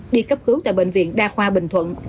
đi cấp cứu tại bệnh viện đa khoa bình thuận